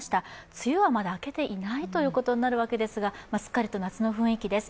梅雨はまだ明けていないということになりますがしっかりと夏の雰囲気です。